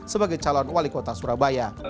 sebagai calon wali kota surabaya